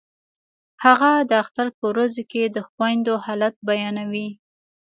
هغه د اختر په ورځو کې د خویندو حالت بیانوي